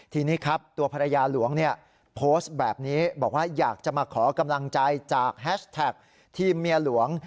ทีนี้ครับตัวภรรยาหลวงเนี่ยโพสต์แบบนี้บอกว่าอยากจะมาขอกำลังใจจากแฮชแท็กทีมเมียหลวง